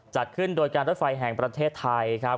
จัดขึ้นโดยการรถไฟแห่งประเทศไทยครับ